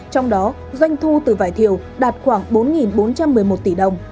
trong đó doanh thu từ vải thiều đạt khoảng bốn bốn trăm linh tỷ đồng